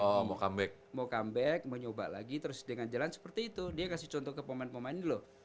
oh mau comeback mau nyoba lagi terus dengan jalan seperti itu dia kasih contoh ke pemain pemain dulu